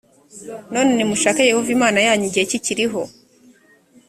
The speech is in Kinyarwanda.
none nimushake yehova imana yanyu igihe kikiriho